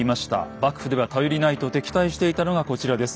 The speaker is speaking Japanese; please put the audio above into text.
幕府では頼りないと敵対していたのがこちらです。